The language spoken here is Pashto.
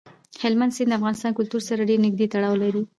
هلمند سیند د افغان کلتور سره ډېر نږدې تړاو لري.